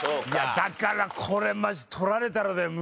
だからこれマジ取られたらだよ